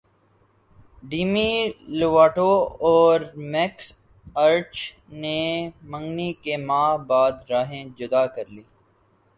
demi Lovato اور Max Ehrich نے منگنی کے ماہ بعد راہیں جدا کرلیں